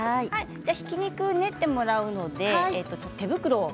ひき肉を練ってもらうのでちょっと手袋を。